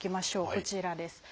こちらです。